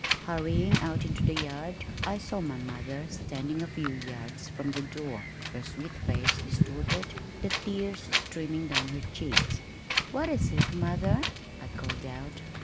Hurrying out into the yard, I saw my mother standing a few yards from the door, her sweet face distorted, the tears streaming down her cheeks. "What is it, mother?" I called out.